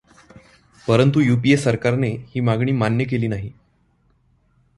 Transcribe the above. परंतु युपीए सरकारने ही मागणी मान्य केली नाही.